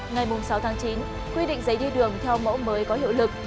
ngày sáu tháng chín quy định giấy đi đường theo mẫu mới có hiệu lực